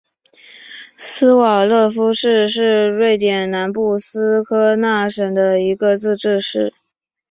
斯瓦勒夫市是瑞典南部斯科讷省的一个自治市。